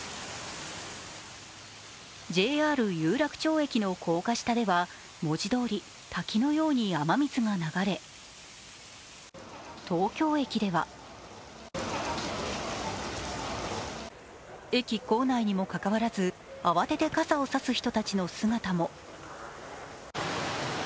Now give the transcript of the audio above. ＪＲ有楽町駅の高架下では、文字どおり、滝のように雨水が流れ、東京駅では、駅構内にもかかわらず慌てて傘を差す人たちの姿も。